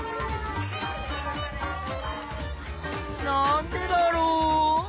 なんでだろう？